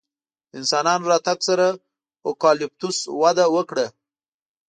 د انسانانو راتګ سره اوکالیپتوس وده وکړه.